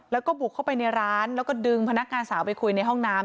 แล้วก็บุกเข้าไปในร้านแล้วก็ดึงพนักงานสาวไปคุยในห้องน้ำ